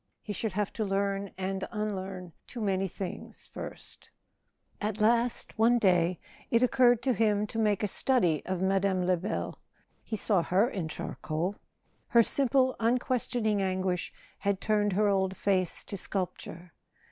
He should have to learn and unlearn too many things first At last, one day, it occurred to him to make a study [ 335 ] A SON AT THE FRONT of Mme. Lebel. He saw her in charcoal: her simple unquestioning anguish had turned her old face to sculp¬ ture.